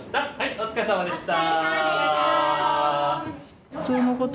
お疲れさまでした！